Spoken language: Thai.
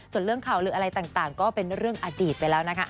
ส่วนเรื่องเข่าต่างเป็นเรื่องอดีตไปแล้วนะคะ